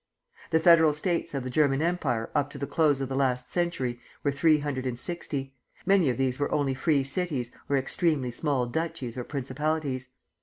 The Federal States of the German Empire up to the close of the last century were three hundred and sixty; many of these were only free cities or extremely small duchies or principalities.